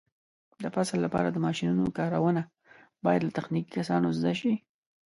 د فصل لپاره د ماشینونو کارونه باید له تخنیکي کسانو زده شي.